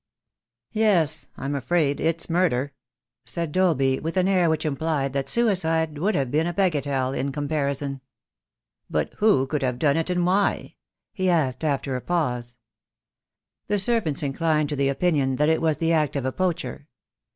"Yes, I'm afraid it's murder," said Dolby, with an air which implied that suicide would have been a baga telle in comparison. "But who can have done it, and why?" he asked after a pause. The servants inclined to the opinion that it was the act of a poacher.